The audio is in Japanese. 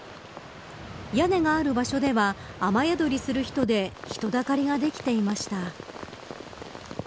屋根がある場所では雨宿りをする人で人だかりができていました。